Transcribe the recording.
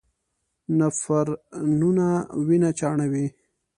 نفرونونه وینه چاڼوي.